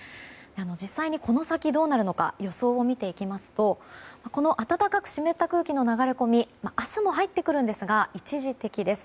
実際にこの先どうなるのか予想を見ていきますとこの暖かく湿った空気の流れ込みは明日も入ってくるんですが一時的です。